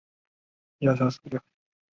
萨格奈是加拿大的一个城市。